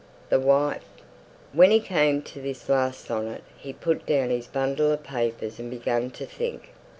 "The Wife." When he came to this last sonnet he put down his bundle of papers and began to think.